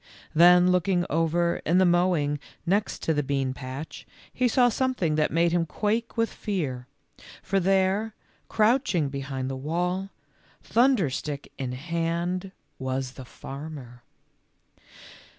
Then looking over in the mow ing next to the bean patch he saw something that made him quake with fear, for there, crouching behind the wall, thunder stick in hand, was the farmer.